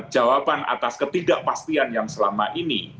jawaban atas ketidakpastian yang selama ini